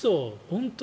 本当？